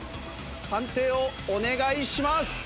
判定をお願いします。